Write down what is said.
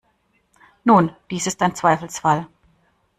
Nun, dies ist ein Zweifelsfall.